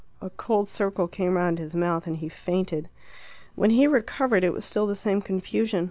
A cold circle came round his mouth, and, he fainted. When he recovered it was still the same confusion.